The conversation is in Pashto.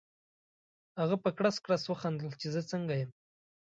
هغه په کړس کړس وخندل چې زه څنګه یم؟